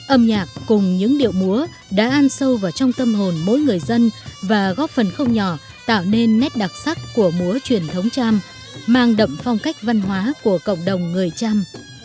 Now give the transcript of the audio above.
âm nhạc cùng những điệu múa đã ăn sâu vào trong tâm hồn mỗi người dân và góp phần không nhỏ tạo nên nét đặc sắc của múa truyền thống trăm mang đậm phong cách văn hóa của cộng đồng người trăm